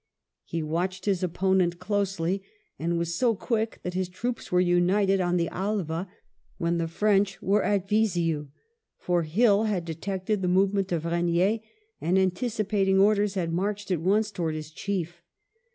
He watched his opponent closely, and was so quick that his troops were united on the Alva when the French were at Viseu ; for Hill had detected the movement of Regnier, and, anticipating orders, had marched at once towards his chief.